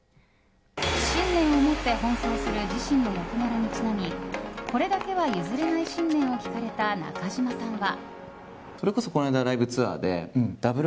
信念を持って奔走する自身の役柄にちなみこれだけは譲れない信念を聞かれた中島さんは。